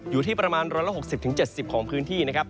อยู่ที่ประมาณ๑๖๐๗๐ของพื้นที่นะครับ